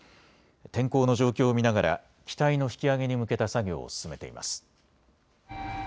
天候の状況を見ながら機体の引き揚げに向けた作業を進めています。